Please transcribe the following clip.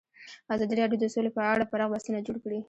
ازادي راډیو د سوله په اړه پراخ بحثونه جوړ کړي.